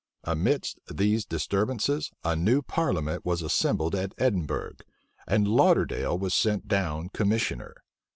Amidst these disturbances, a new parliament was assembled at Edinburgh;[*] and Lauderdale was sent down commissioner.